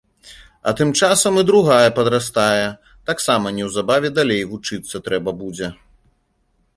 А тым часам і другая падрастае, таксама неўзабаве далей вучыцца трэба будзе.